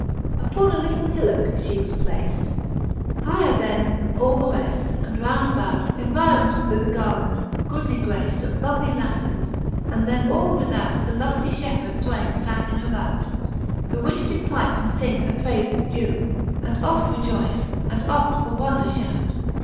VIII. Upon a little hillocke fhe was placed Higher then all the reft, and round about Environ'd with a garland, goodly graced, Of lovely laffes, and them all without The luftie fiiepheard fwaynes fate in a rout, The which did pype and fing her prayfes dew. And oft rejoyce, and oft for wonder fhout.